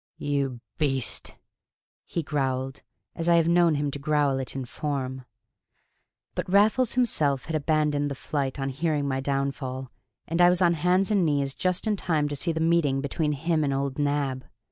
"You beast!" he growled, as I have known him growl it in form. But Raffles himself had abandoned the flight on hearing my downfall, and I was on hands and knees just in time to see the meeting between him and old Nab.